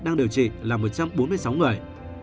đang điều trị là một trăm bốn mươi sáu người